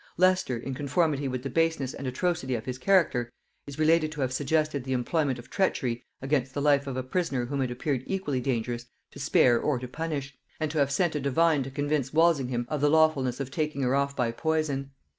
Leicester, in conformity with the baseness and atrocity of his character, is related to have suggested the employment of treachery against the life of a prisoner whom it appeared equally dangerous to spare or to punish; and to have sent a divine to convince Walsingham of the lawfulness of taking her off by poison.